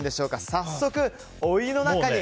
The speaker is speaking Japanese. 早速、お湯の中に。